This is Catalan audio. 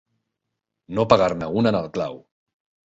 No pegar-ne una en el clau.